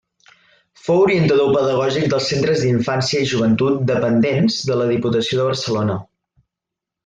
Fou orientador pedagògic dels centres d’infància i joventut dependents de la Diputació de Barcelona.